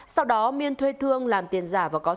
sau đó miên thuê thương làm tiền giả và có tiền